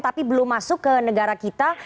tapi belum masuk ke negara kita